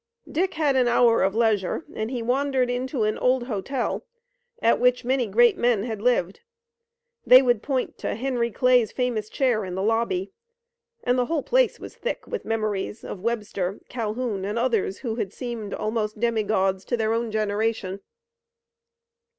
Dick had an hour of leisure, and he wandered into an old hotel, at which many great men had lived. They would point to Henry Clay's famous chair in the lobby, and the whole place was thick with memories of Webster, Calhoun and others who had seemed almost demigods to their own generation.